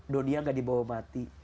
dunia gak dibawa mati